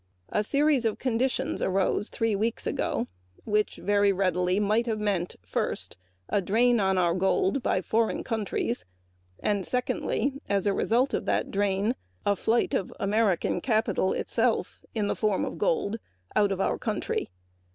A series of conditions arose three weeks ago which very readily might have meant, first, a drain on our gold by foreign countries, and second, as a result of that, a flight of American capital, in the form of gold, out of our country.